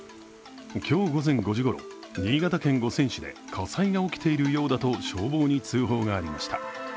今日午前５時ごろ、新潟県五泉市で火災が起きているようだと消防に通報がありました。